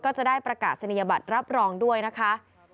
ก็จะได้ประกาศนียบัตรรับรองด้วยนะคะ